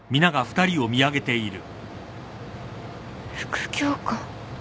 副教官？